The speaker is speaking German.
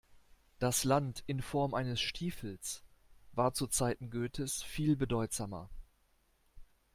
Das Land in Form eines Stiefels war zu Zeiten Goethes viel bedeutsamer.